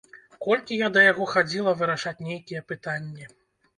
Колькі я да яго хадзіла вырашаць нейкія пытанні!